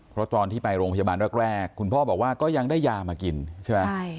เพราะตอนที่ไปโรงพยาบาลแรกคุณพ่อบอกว่าก็ยังได้ยามากินใช่ไหม